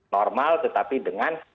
normal tetapi dengan